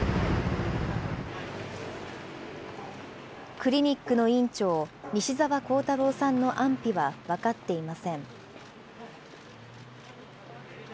クリニックの院長、西澤弘太郎さんの安否は分かっていません。